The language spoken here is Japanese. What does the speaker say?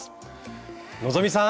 希さん！